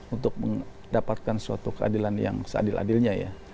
untuk mendapatkan suatu keadilan yang seadil adilnya ya